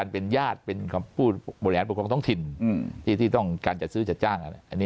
เป็นญาติเป็นความบริหารท้องถิ่นที่ต้องการจัดซื้อจัดจ้างอัน